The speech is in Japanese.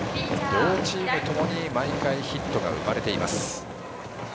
両チームともに毎回ヒットが生まれています。